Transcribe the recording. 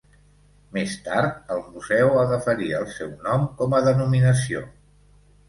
Més tard, el museu agafaria el seu nom com a denominació.